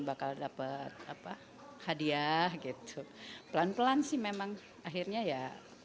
agar dia bisa berjaga